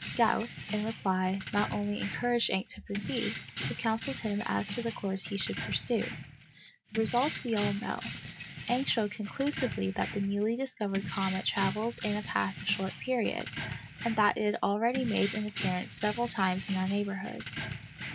Gauss, in reply, not only encouraged Encke to proceed, but counselled him as to the course he should pursue. The result we all know. Encke showed conclusively that the newly discovered comet travels in a path of short period, and that it had already made its appearance several times in our neighbourhood.